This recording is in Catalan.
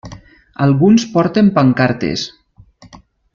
Alguns porten pancartes.